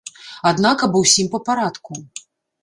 Аднак аб усім па парадку.